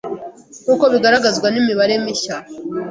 nkuko bigaragazwa n'imibare mishya